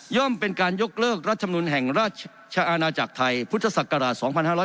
เป็นการยกเลิกรัฐมนุนแห่งราชอาณาจักรไทยพุทธศักราช๒๕๖๒